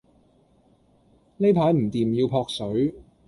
呢排唔掂要撲水